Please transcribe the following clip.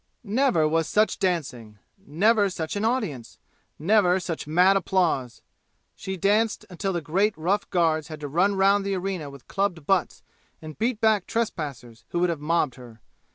Never was such dancing! Never such an audience! Never such mad applause! She danced until the great rough guards had to run round the arena with clubbed butts and beat back trespassers who would have mobbed her.